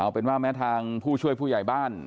เป็นว่าแม้ทางผู้ช่วยผู้ใหญ่บ้าน